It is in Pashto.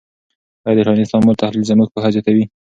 آیا د ټولنیز تعامل تحلیل زموږ پوهه زیاتوي؟